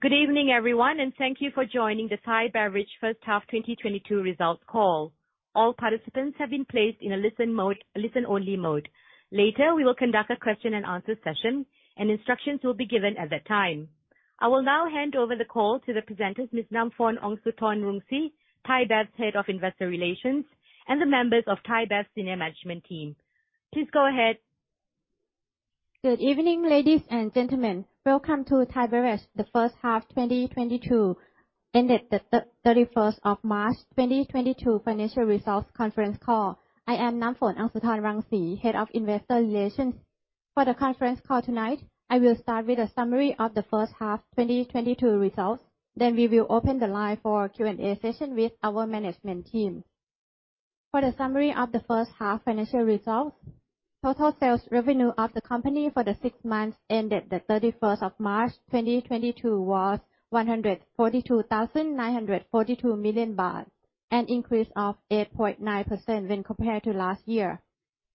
Good evening, everyone, and thank you for joining the Thai Beverage first half 2022 results call. All participants have been placed in a listenmode, listen-only mode. Later, we will conduct a question and answer session, and instructions will be given at that time. I will now hand over the call to the presenters, Ms. Namfon Aungsutornrungsi, ThaiBev's Head of Investor Relations, and the members of ThaiBev senior management team. Please go ahead. Good evening, ladies and gentlemen. Welcome to Thai Beverage, the first half 2022 ended the thirty-first of March 2022 financial results conference call. I am Namfon Aungsutornrungsi, Head of Investor Relations. For the conference call tonight, I will start with a summary of the first half 2022 results, then we will open the line for Q&A session with our management team. For the summary of the first half financial results, total sales revenue of the company for the six months ended the thirty-first of March 2022 was 142,942 million baht, an increase of 8.9% when compared to last year.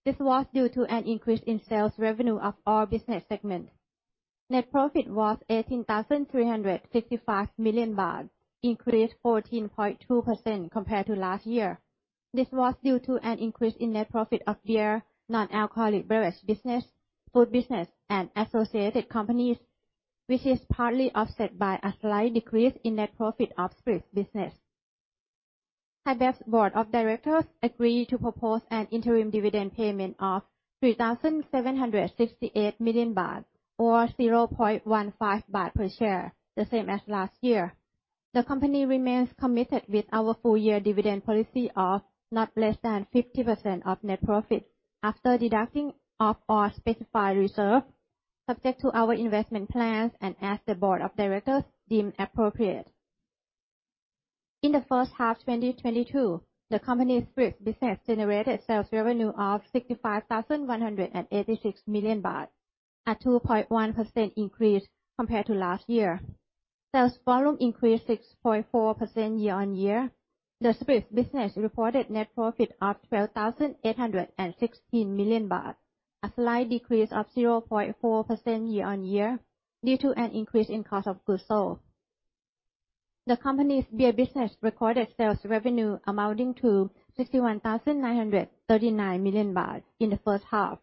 This was due to an increase in sales revenue of our business segment. Net profit was 18,365 million baht, increased 14.2% compared to last year. This was due to an increase in net profit of beer, non-alcoholic beverage business, food business, and associated companies, which is partly offset by a slight decrease in net profit of spirits business. ThaiBev's board of directors agreed to propose an interim dividend payment of 3,768 million baht, or 0.15 baht per share, the same as last year. The company remains committed with our full year dividend policy of not less than 50% of net profit after deducting of our specified reserve, subject to our investment plans and as the board of directors deem appropriate. In the first half 2022, the company's spirits business generated sales revenue of 65,186 million baht, a 2.1% increase compared to last year. Sales volume increased 6.4% year-on-year. The spirits business reported net profit of 12,816 million baht, a slight decrease of 0.4% year-on-year due to an increase in cost of goods sold. The company's beer business recorded sales revenue amounting to 61,939 million baht in the first half,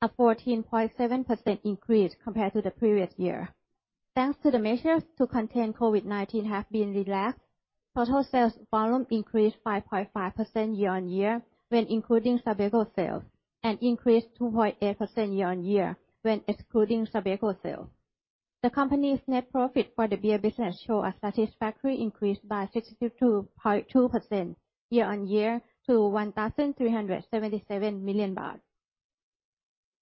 a 14.7% increase compared to the previous year. Thanks to the measures to contain COVID-19 have been relaxed, total sales volume increased 5.5% year-on-year when including Sabeco sales, and increased 2.8% year-on-year when excluding Sabeco sales. The company's net profit for the beer business show a satisfactory increase by 62.2% year-on-year to 1,377 million baht.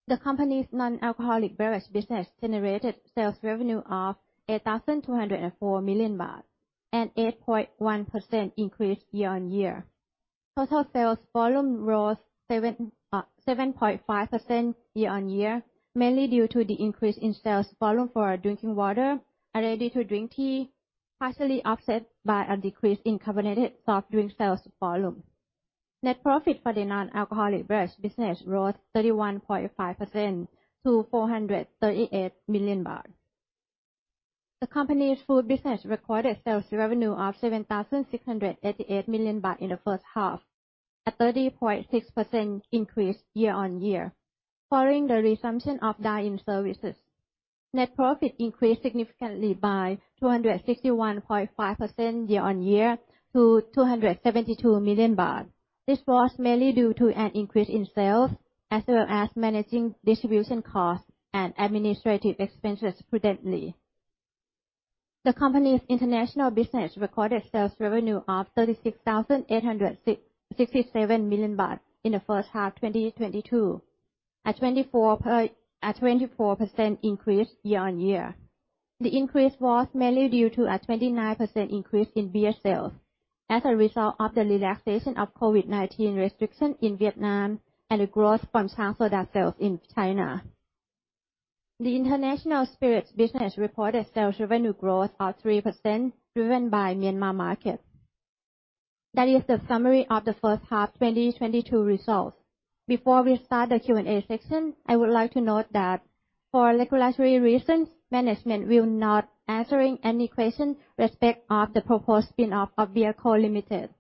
The company's non-alcoholic beverage business generated sales revenue of 8,204 million baht, an 8.1% increase year-on-year. Total sales volume rose 7.5% year-on-year, mainly due to the increase in sales volume for our drinking water and ready-to-drink tea, partially offset by a decrease in carbonated soft drink sales volume. Net profit for the non-alcoholic beverage business rose 31.5% to 438 million baht. The company's food business recorded sales revenue of 7,688 million baht in the first half, a 30.6% increase year-on-year following the resumption of dine-in services. Net profit increased significantly by 261.5% year-on-year to 272 million baht. This was mainly due to an increase in sales, as well as managing distribution costs and administrative expenses prudently. The company's international business recorded sales revenue of 36,867 million baht in the first half 2022, a 24% increase year-on-year. The increase was mainly due to a 29% increase in beer sales as a result of the relaxation of COVID-19 restriction in Vietnam and a growth from Chang Soda sales in China. The international spirits business reported sales revenue growth of 3% driven by Myanmar market. That is the summary of the first half 2022 results. Before we start the Q&A section, I would like to note that for regulatory reasons, management will not answering any question respect of the proposed spin-off of BeerCo Limited.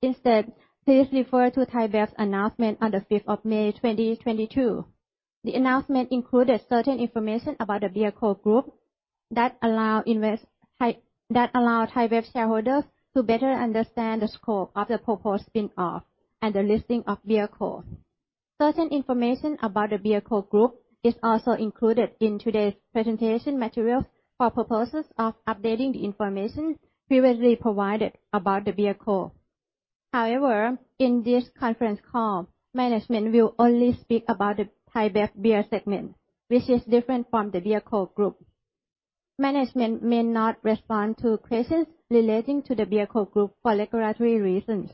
Instead, please refer to ThaiBev's announcement on the fifth of May 2022. The announcement included certain information about the BeerCo Group that allow ThaiBev shareholders to better understand the scope of the proposed spin-off and the listing of BeerCo. Certain information about the BeerCo Group is also included in today's presentation materials for purposes of updating the information previously provided about the BeerCo. However, in this conference call, management will only speak about the ThaiBev beer segment, which is different from the BeerCo Group. Management may not respond to questions relating to the BeerCo Group for regulatory reasons.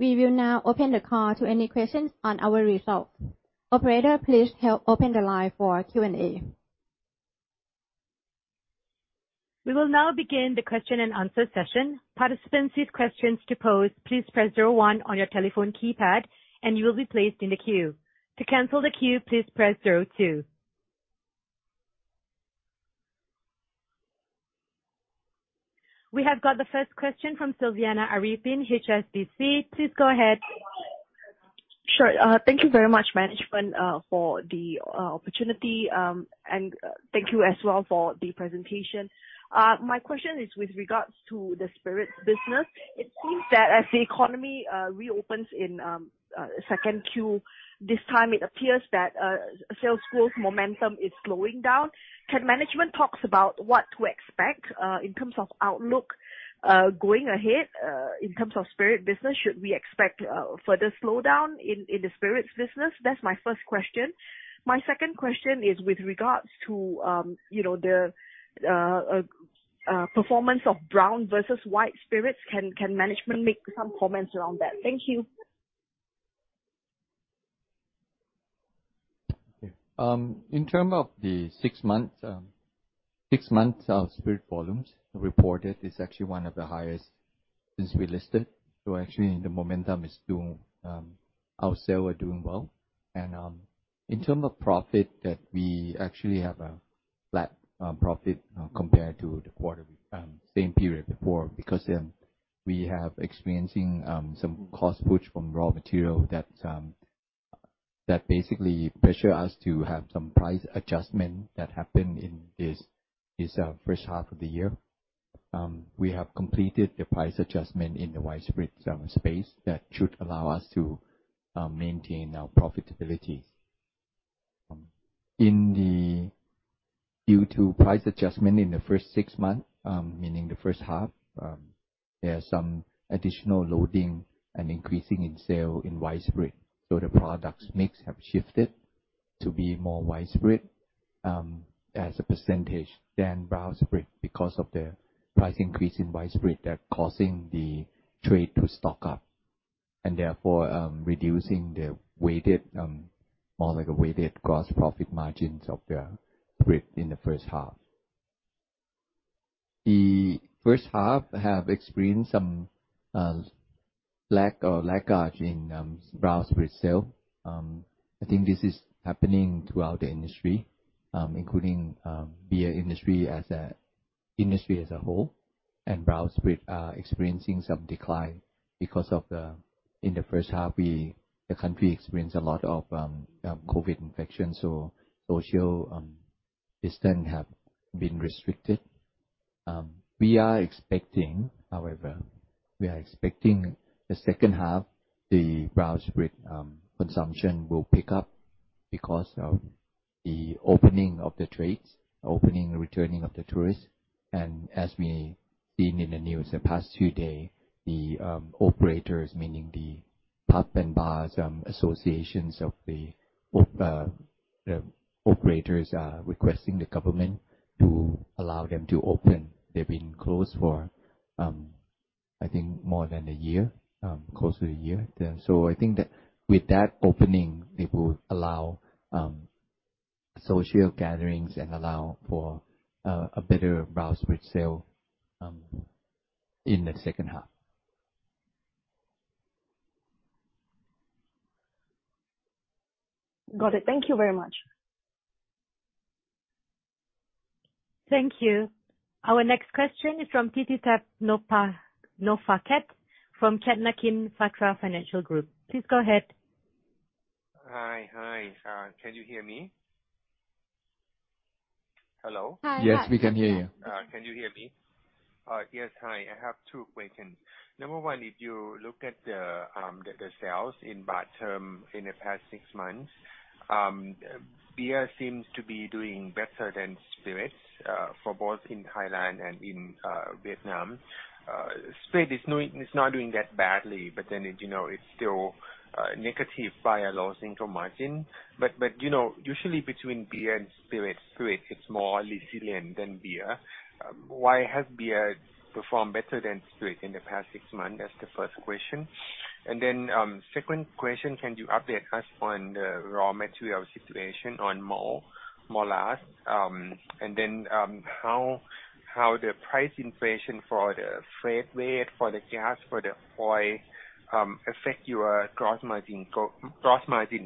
We will now open the call to any questions on our results. Operator, please help open the line for Q&A. We will now begin the question and answer session. Participants with questions to pose, please press zero one on your telephone keypad and you will be placed in the queue. To cancel the queue, please press zero two. We have got the first question from Selviana Aripin, HSBC. Please go ahead. Sure. Thank you very much, management, for the opportunity. Thank you as well for the presentation. My question is with regards to the spirits business. It seems that as the economy reopens in second Q this time, it appears that sales growth momentum is slowing down. Can management talks about what to expect in terms of outlook going ahead in terms of spirits business? Should we expect further slowdown in the spirits business? That's my first question. My second question is with regards to, you know, the performance of brown versus white spirits. Can management make some comments around that? Thank you. Yeah. In terms of the six months of spirit volumes reported, it's actually one of the highest since we listed. Actually the momentum is doing, our sales are doing well. In terms of profit that we actually have a flat profit compared to the same period before, because we have been experiencing some cost push from raw material that basically pressured us to have some price adjustment that happened in this first half of the year. We have completed the price adjustment in the white spirit space that should allow us to maintain our profitability. Due to price adjustment in the first six months, meaning the first half, there are some additional loading and increasing in sales in white spirit. The products mix have shifted to be more white spirit as a percentage than brown spirit because of the price increase in white spirit that causing the trade to stock up, and therefore, reducing the weighted, more like a weighted gross profit margins of the group in the first half. The first half have experienced some lack or leakage in brown spirit sale. I think this is happening throughout the industry, including beer industry as a whole. Brown spirit are experiencing some decline because in the first half the country experienced a lot of COVID infections, so social distance have been restricted. We are expecting, however, the second half, the brown spirit consumption will pick up because of the opening of the trades, opening and returning of the tourists. As we've seen in the news the past few days, the operators, meaning the pub and bars associations of the operators are requesting the government to allow them to open. They've been closed for, I think more than a year, close to a year. I think that with that opening, it will allow social gatherings and allow for a better brown spirit sale in the second half. Got it. Thank you very much. Thank you. Our next question is from Thitithat Nopaket from Kiatnakin Phatra Financial Group. Please go ahead. Hi. Can you hear me? Hello? Yes, we can hear you. Can you hear me? Yes. Hi. I have two questions. Number one, if you look at the sales in baht terms in the past six months, beer seems to be doing better than spirits, for both in Thailand and in Vietnam. Spirit is not doing that badly, but then it, you know, it's still negative by a low single-digit margin. You know, usually between beer and spirits is more resilient than beer. Why has beer performed better than spirit in the past six months? That's the first question. Second question, can you update us on the raw material situation on molasses? How the price inflation for the freight rate, for the gas, for the oil, affect your gross margin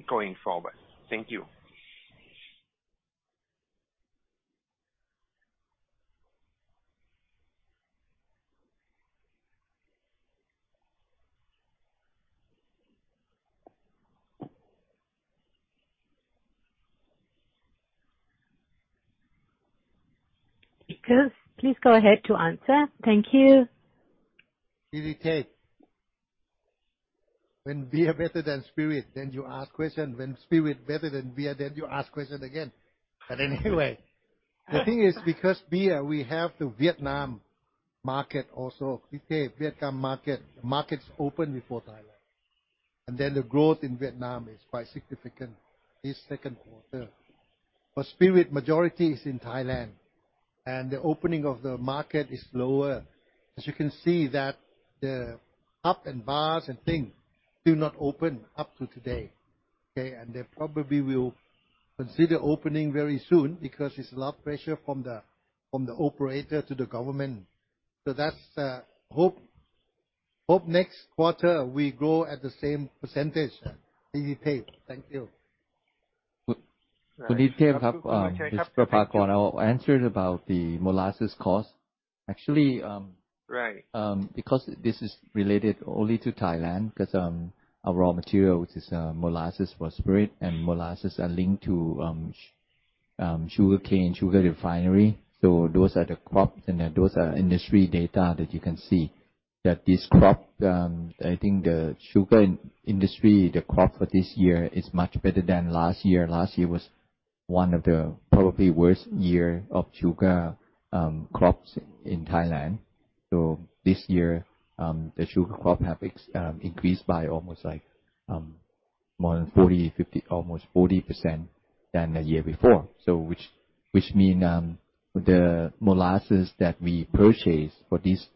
going forward? Thank you. Please go ahead to answer. Thank you. Thitithat, when beer better than spirit, then you ask question. When spirit better than beer, then you ask question again. Anyway, the thing is because beer, we have the Vietnam market also. Thitithat, Vietnam market, markets open before Thailand, and then the growth in Vietnam is quite significant this second quarter. Spirit, majority is in Thailand, and the opening of the market is slower. As you can see that the pub and bars and thing do not open up to today, okay? They probably will consider opening very soon because it's a lot of pressure from the operator to the government. That's hope. Hope next quarter we grow at the same percentage. Thank you. Mr. Prapakon. I'll answer about the molasses cost. Actually, Right. Because this is related only to Thailand 'cause our raw material, which is molasses for spirit and molasses are linked to sugarcane, sugar refinery. Those are the crops, and those are industry data that you can see that this crop, I think the sugar industry, the crop for this year is much better than last year. Last year was one of the probably worst year of sugar crops in Thailand. This year the sugar crop have increased by almost like more than 40, 50, almost 40% than the year before. Which mean the molasses that we purchase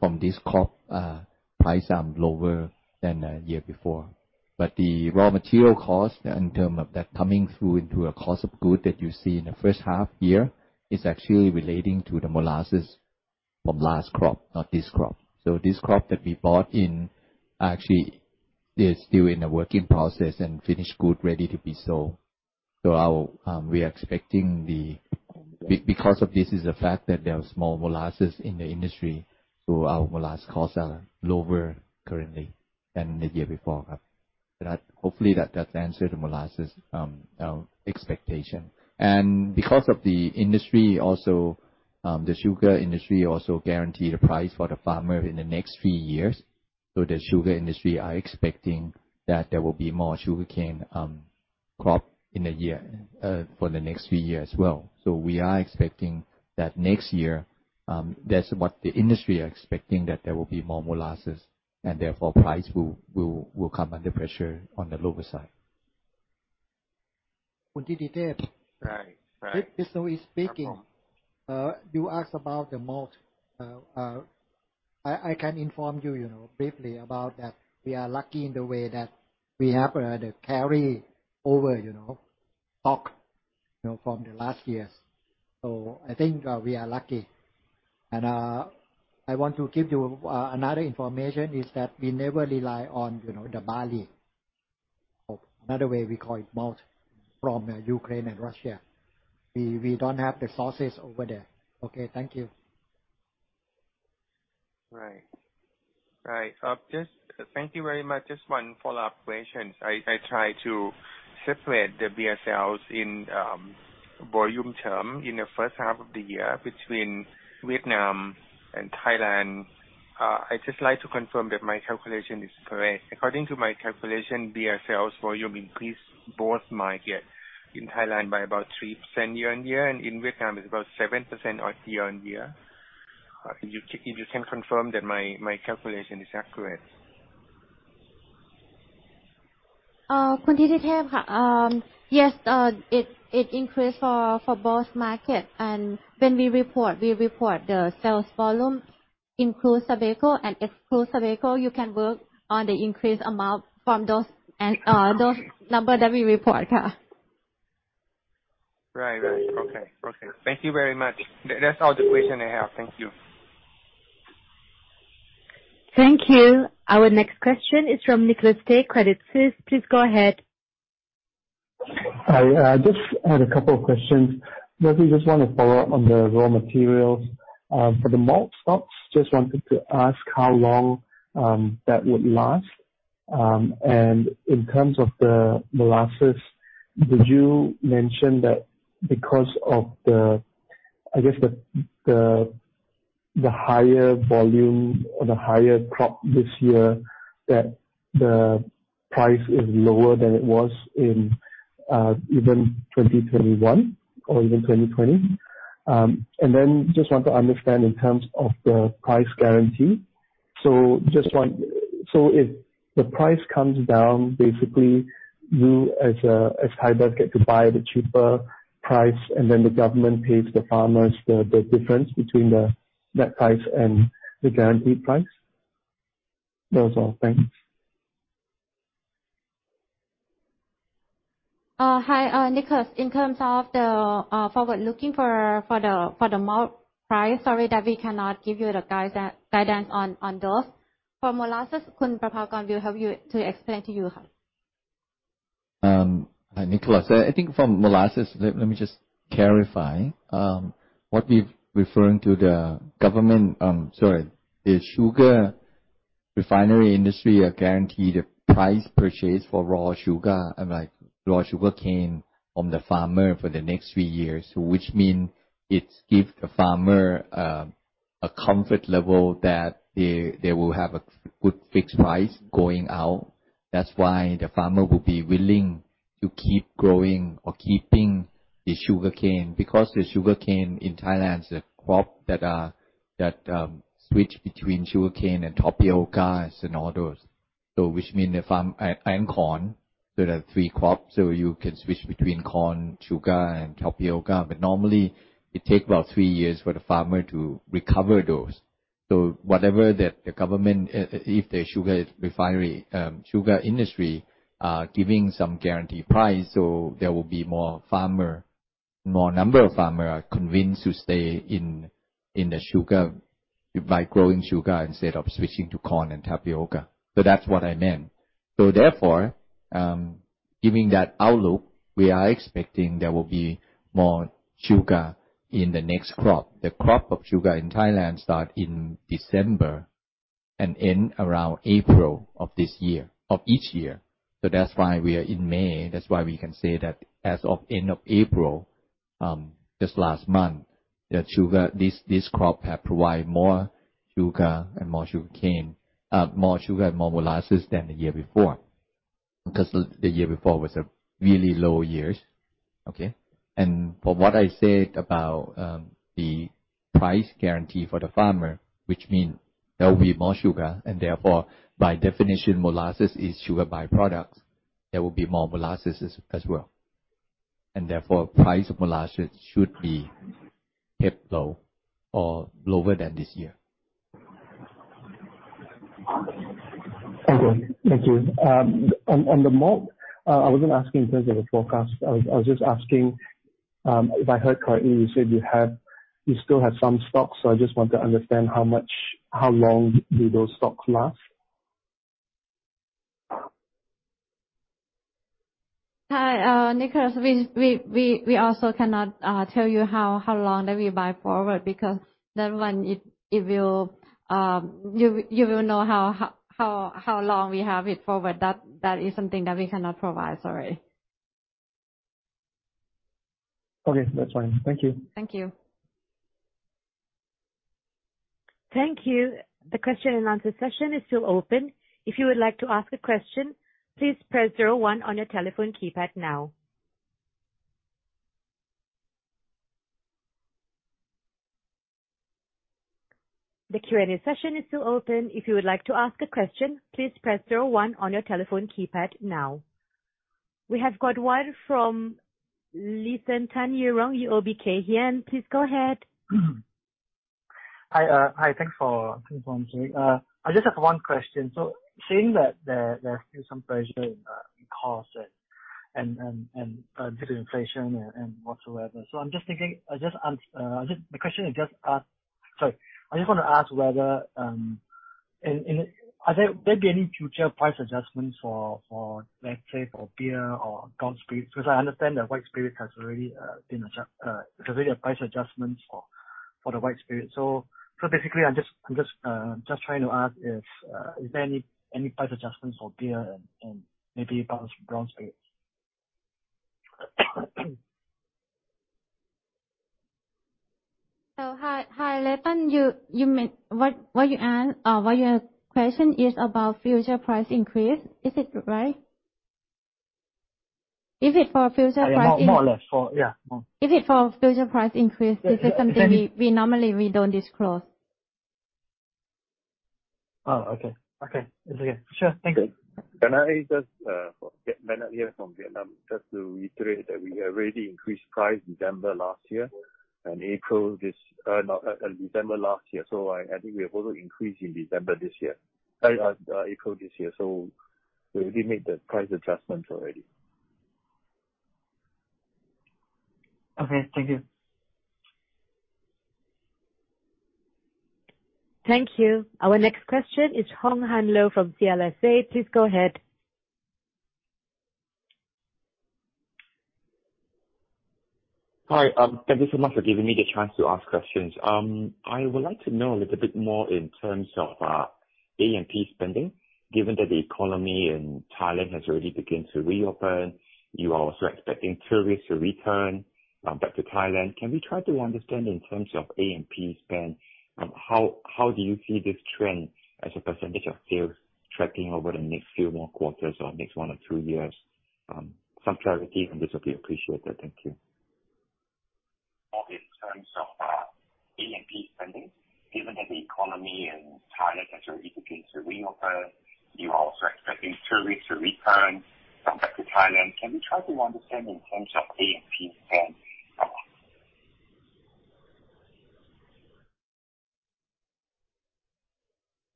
from this crop their prices are lower than the year before. The raw material cost in terms of that coming through into a cost of goods that you see in the first half year is actually relating to the molasses from last crop, not this crop. This crop that we bought in actually is still in the work in process and finished goods ready to be sold. Because of this is the fact that there are more molasses in the industry, so our molasses costs are lower currently than the year before. Hopefully that's answered the molasses expectation. Because of the industry also, the sugar industry also guarantee the price for the farmer in the next few years, so the sugar industry are expecting that there will be more sugarcane crop in a year for the next few years as well. We are expecting that next year, that's what the industry are expecting, that there will be more molasses and therefore price will come under pressure on the lower side. Right. Right. Speaking. You ask about the malt. I can inform you know, briefly about that. We are lucky in the way that we have the carry over, you know, stock, you know, from the last years. So I think we are lucky. I want to give you another information is that we never rely on, you know, the barley. Another way we call it malt from Ukraine and Russia. We don't have the sources over there. Okay, thank you. Just thank you very much. Just one follow-up question. I try to separate the beer sales in volume term in the first half of the year between Vietnam and Thailand. I'd just like to confirm that my calculation is correct. According to my calculation, beer sales volume increased in both markets. In Thailand by about 3% year-on-year, and in Vietnam it's about 7% year-on-year. If you can confirm that my calculation is accurate. It increased for both markets. When we report, we report the sales volume including Sabeco and excluding Sabeco. You can work on the increased amount from those and those numbers that we report. Right. Okay. Thank you very much. That's all the question I have. Thank you. Thank you. Our next question is from Nicholas Tay, Credit Suisse. Please go ahead. Hi. Just had a couple of questions. Maybe just wanna follow up on the raw materials. For the malt stocks, just wanted to ask how long that would last. And in terms of the molasses, did you mention that because of the, I guess, the higher volume or the higher crop this year, that the price is lower than it was in even 2021 or even 2020? And then just want to understand in terms of the price guarantee. So if the price comes down, basically you as Thai Beverage get to buy the cheaper price and then the government pays the farmers the difference between the net price and the guaranteed price? That's all. Thanks. Hi, Nicholas. In terms of the forward-looking for the malt price, sorry that we cannot give you the guidance on those. For molasses, kun Pakorn will help you to explain to you. Hi, Nicholas. I think from molasses, let me just clarify. What we're referring to, sorry, the sugar refinery industry are guarantee the purchase price for raw sugar, like raw sugarcane from the farmer for the next three years. Which mean it give the farmer a comfort level that they will have a good fixed price going out. That's why the farmer will be willing to keep growing or keeping the sugarcane, because the sugarcane in Thailand is a crop that switch between sugarcane and tapioca and all those. There are three crops. You can switch between corn, sugar and tapioca. Normally it take about three years for the farmer to recover those. Whatever the government, if the sugar refinery, sugar industry are giving some guarantee price, there will be more farmers, more number of farmers are convinced to stay in the sugar by growing sugar instead of switching to corn and tapioca. That's what I meant. Therefore, giving that outlook, we are expecting there will be more sugar in the next crop. The crop of sugar in Thailand starts in December and ends around April of this year of each year. That's why we are in May. That's why we can say that as of end of April, this last month, the sugar, this crop has provided more sugar and more sugarcane and more molasses than the year before. Because the year before was a really low year, okay? From what I said about the price guarantee for the farmer, which mean there will be more sugar and therefore by definition molasses is sugar by-products, there will be more molasses as well. Therefore, price of molasses should be kept low or lower than this year. Okay, thank you. On the malt, I wasn't asking in terms of the forecast. I was just asking if I heard correctly, you said you had. You still had some stocks. I just want to understand how much, how long do those stocks last? Hi, Nicholas. We also cannot tell you how long that we buy forward, because that one it will you will know how long we have it forward. That is something that we cannot provide. Sorry. Okay, that's fine. Thank you. Thank you. Thank you. The question and answer session is still open. If you would like to ask a question, please press zero one on your telephone keypad now. The Q&A session is still open. If you would like to ask a question, please press zero one on your telephone keypad now. We have got one from Lethan Tan, UOB Kay Hian. Please go ahead. Hi. Thanks for answering. I just have one question. Seeing that there's still some pressure in costs and due to inflation and whatsoever. Sorry. I just wanna ask whether there will be any future price adjustments for, let's say, beer or canned spirits. Because I understand that there's already price adjustments for the white spirit. Basically, I'm just trying to ask if there is any price adjustments for beer and maybe brown spirits. Hi, Lethan. You, what you ask, what your question is about future price increase. Is it right? Is it for future price in- More or less. Yeah, more. If it's for future price increase, this is something we normally don't disclose. Oh, okay. It's okay. Sure. Thank you. Bennett here from Vietnam. Just to reiterate that we have already increased price December last year, so I think we have also increased in December this year. April this year. So we already made the price adjustment already. Okay. Thank you. Thank you. Our next question is Horng Han Low from CLSA. Please go ahead. Hi. Thank you so much for giving me the chance to ask questions. I would like to know a little bit more in terms of A&P spending. Given that the economy in Thailand has already begun to reopen, you are also expecting tourists to return back to Thailand. Can we try to understand in terms of A&P spend, how do you see this trend as a percentage of sales tracking over the next few more quarters or next one or two years? Some clarity on this would be appreciated. Thank you.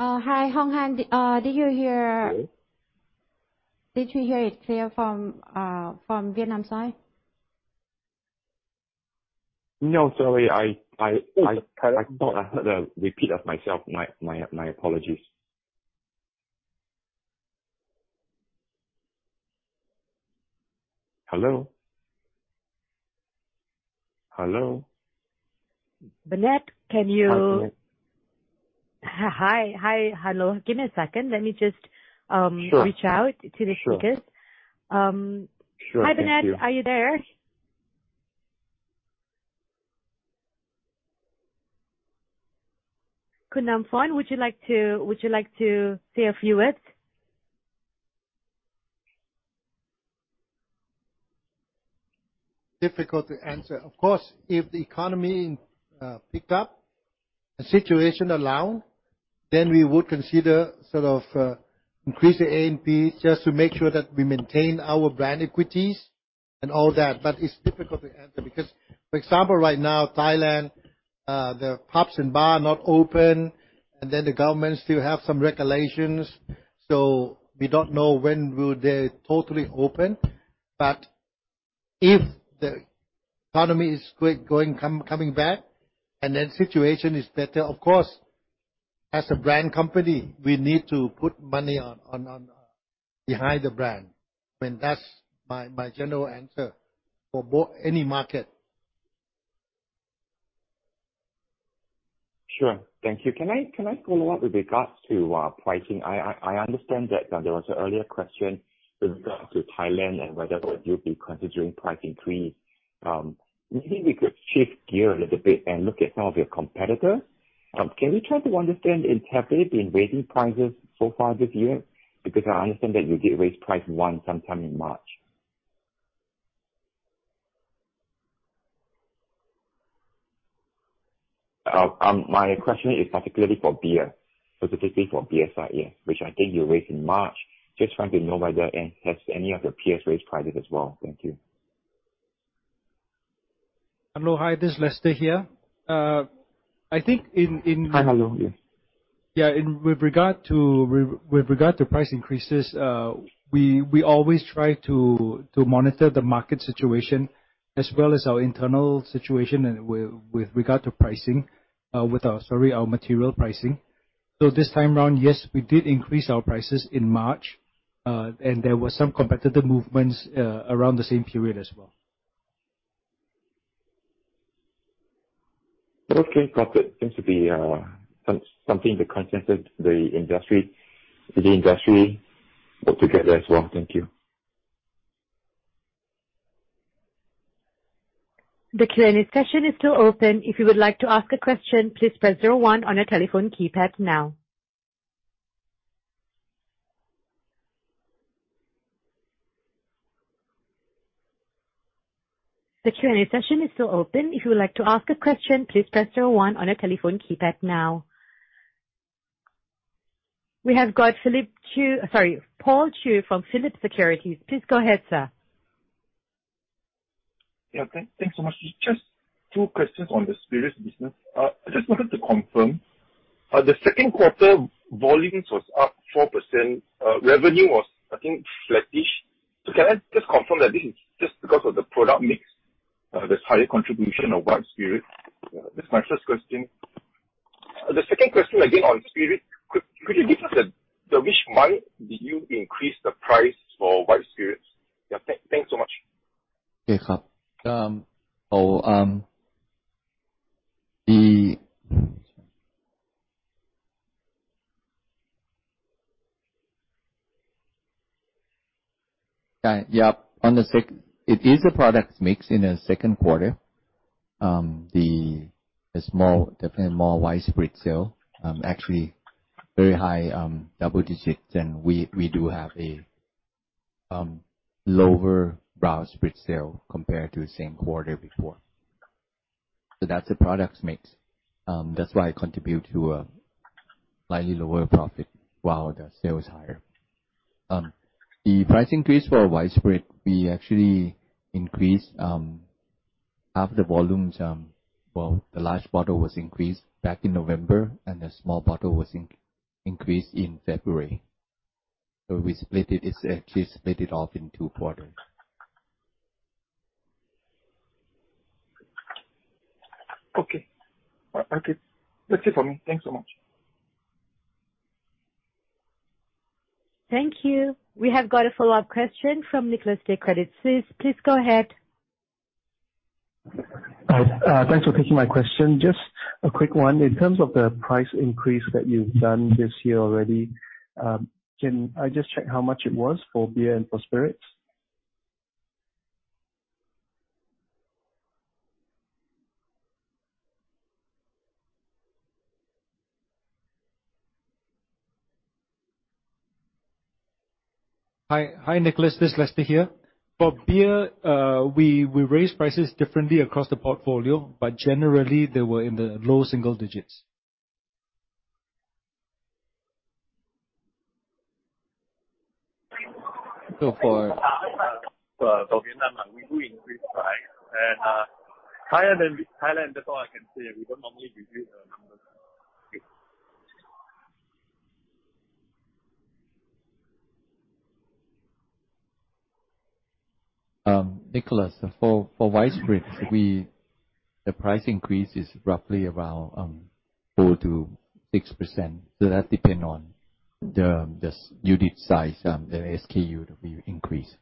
Hi, Horng Han. Did you hear? Hello? Did you hear it clear from Vietnam side? No, sorry. I thought I heard a repeat of myself. My apologies. Hello? Hello? Bennett, can you? Hi. Hi, hi. Hello. Give me a second. Let me just, Sure. Reach out to the speakers. Sure. Sure. Thank you. Hi, Bennett. Are you there? Namfon Aungsutornrungsi, would you like to say a few words? Difficult to answer. Of course, if the economy pick up and situation allow, then we would consider sort of increasing A&P just to make sure that we maintain our brand equities. And all that, it's difficult to answer because for example right now, Thailand, the pubs and bar not open, and then the government still have some regulations, so we don't know when will they totally open. If the economy is quickly coming back, and then situation is better, of course, as a brand company, we need to put money behind the brand. I mean, that's my general answer for both any market. Sure. Thank you. Can I follow up with regards to pricing? I understand that there was an earlier question with regards to Thailand and whether or you'd be considering price increase. Maybe we could shift gear a little bit and look at some of your competitors. Can we try to understand if competitors are raising prices so far this year? Because I understand that you did raise price once sometime in March. My question is particularly for beer, specifically for BSIF, which I think you raised in March. Just want to know whether any of your peers has raised prices as well. Thank you. Hello. Hi. This is Lester here. I think in Hi. Hello, yeah. Yeah, with regard to price increases, we always try to monitor the market situation as well as our internal situation and with regard to pricing, with our, sorry, our material pricing. This time around, yes, we did increase our prices in March, and there were some competitive movements around the same period as well. Okay. Got it. Seems to be something that concerns the industry altogether as well. Thank you. The Q&A session is still open. If you would like to ask a question, please press zero one on your telephone keypad now. The Q&A session is still open. If you would like to ask a question, please press zero one on your telephone keypad now. We have got Paul Chew from Phillip Securities. Please go ahead, sir. Thanks so much. Just two questions on the spirits business. I just wanted to confirm, the second quarter volumes was up 4%, revenue was I think flattish. Can I just confirm that this is just because of the product mix, this higher contribution of white spirits? That's my first question. The second question again on spirit. Could you give us the which month did you increase the price for white spirits? Yeah. Thanks so much. Yeah. Yeah. On the score, it is a product mix in the second quarter. The more white spirit sale actually very high, double digits and we do have a lower brown spirit sale compared to the same quarter before. That's the product mix. That's why it contribute to a slightly lower profit while the sale is higher. The price increase for our white spirit, we actually increased half the volumes, well, the large bottle was increased back in November and the small bottle was increased in February. We split it's actually split it off in two quarters. Okay. Okay. That's it for me. Thanks so much. Thank you. We have got a follow-up question from Nicholas Tay, Credit Suisse. Please go ahead. Hi. Thanks for taking my question. Just a quick one. In terms of the price increase that you've done this year already, can I just check how much it was for beer and for spirits? Hi. Hi, Nicholas. This is Lester here. For beer, we raised prices differently across the portfolio, but generally they were in the low single digits. For Vietnam, we do increase price and higher than Thailand, that's all I can say. We don't normally reveal the numbers. Nicholas, for white spirits, the price increase is roughly around 4%-6%, so that depend on the unit size, the SKU that we increase.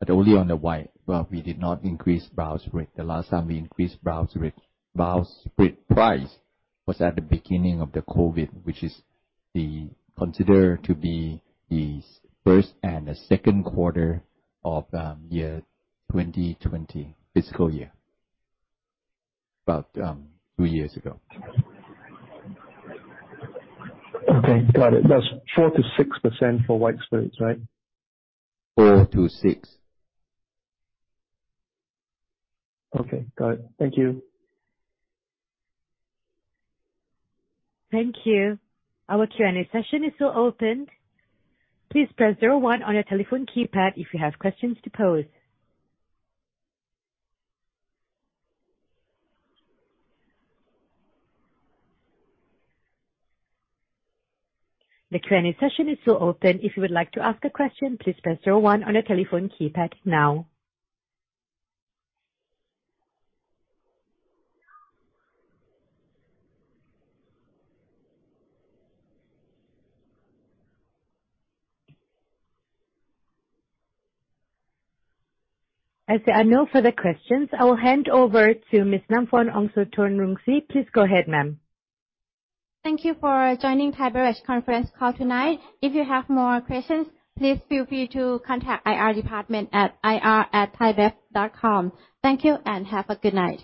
But only on the white, but we did not increase brown spirit. The last time we increased brown spirit, brown spirit price was at the beginning of the COVID, which is considered to be the first and the second quarter of 2020 fiscal year. About 2 years ago. Okay. Got it. That's 4%-6% for white spirits, right? 4-6. Okay. Got it. Thank you. Thank you. Our Q&A session is still open. Please press zero one on your telephone keypad if you have questions to pose. The Q&A session is still open. If you would like to ask a question, please press zero one on your telephone keypad now. I see no further questions. I will hand over to Miss Namfon Aungsutornrungsi. Please go ahead, ma'am. Thank you for joining Thai Beverage conference call tonight. If you have more questions, please feel free to contact IR department at ir@thaibev.com. Thank you and have a good night.